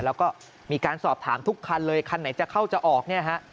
แล้วก็มีการสอบถามทุกคันเลยคันไหนจะเข้าจะออกเนี่ยฮะ